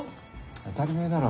当たり前だろ。